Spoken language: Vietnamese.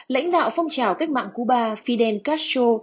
lãnh đạo phong trào cách mạng cuba fidel castro